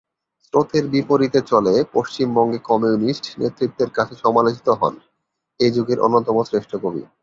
স্রোতের বিপরীতে চলে পশ্চিমবঙ্গে কমিউনিস্ট নেতৃত্বের কাছে সমালোচিত হন এ-যুগের অন্যতম শ্রেষ্ঠ কবি।